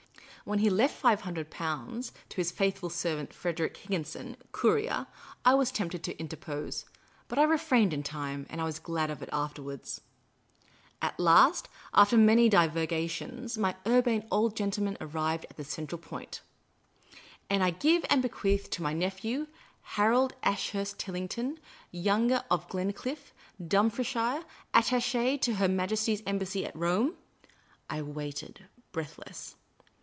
When he left Five Hundred Pounds to his faithful servant Frederic Higginson, courier, I was tempted to interpose ; but I refrained in time, and I was glad of it afterwards. At last, after many divagations, my Urbane Old Gentle man arrived at the central point —" And I give and bequeath to my nephew, Harold Ashurst Tillington, Younger of Gled cliffe, Dumfriesshire, attache to Her Majesty's Embassy at Rome " I waited, breathless.